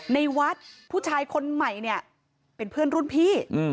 ในวัดผู้ชายคนใหม่เนี่ยเป็นเพื่อนรุ่นพี่